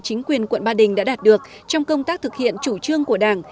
chính quyền quận ba đình đã đạt được trong công tác thực hiện chủ trương của đảng